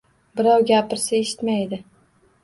Birov gapirsa eshitmaydi.